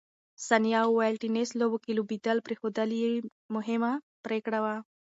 ثانیه وویل، ټېنس لوبو کې لوبېدل پرېښودل یې مهمه پرېکړه وه.